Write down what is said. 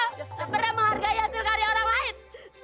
tidak pernah menghargai hasil karya orang lain